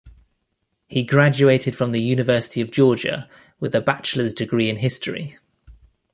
He graduated from the University of Georgia with a bachelor's degree in history.